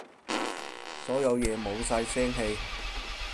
所有嘢冇晒聲氣